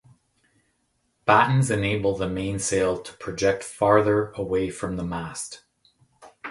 Battens enable the mainsail to project farther away from the mast.